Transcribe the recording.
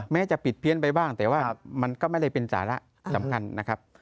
แม้จะปิดเพี้ยนไปบ้างแต่ว่ามันก็ไม่ได้เป็นสาระสำคัญนะครับ